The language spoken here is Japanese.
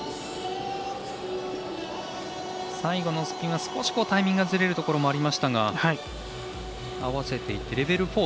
最後のスピンは少しタイミングがずれるところもありましたが合わせていってレベル